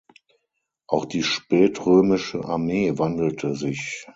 Auch die spätrömische Armee wandelte sich.